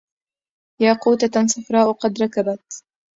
ياقوتة صفراء قد ركبت